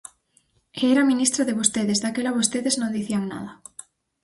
E era ministra de vostedes, daquela vostedes non dicían nada.